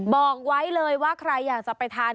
บอกไว้เลยว่าใครอยากจะไปทาน